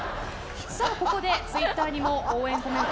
ここでツイッターにも応援コメント